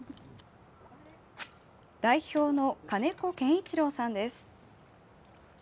代表の金子建一郎さんです。